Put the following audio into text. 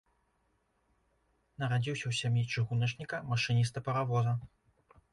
Нарадзіўся ў сям'і чыгуначніка, машыніста паравоза.